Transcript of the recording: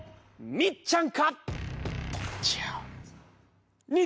みっちゃん！